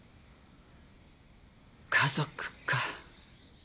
家族か。